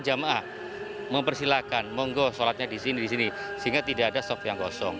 jamaah mempersilahkan monggo sholatnya di sini di sini sehingga tidak ada soft yang kosong